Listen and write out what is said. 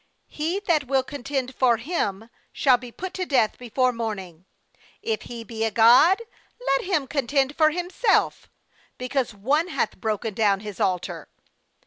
he that will contend for him, shall be )ut to death before morning; if he a god, let him contend for him self, because one hath broken down his altar.'